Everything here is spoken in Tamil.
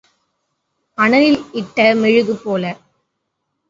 அனலில் இட்ட மெழுகுபோல.